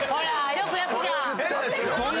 よく焼くじゃん。